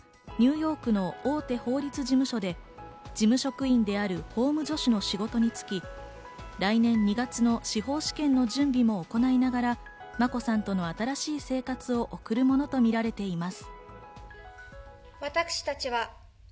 今後、小室さんはニューヨークの大手法律事務所で事務職員である法務助手の仕事に就き、来年２月の司法試験の準備を行いながら、眞子さんとの新しい生活を送るものとみられています。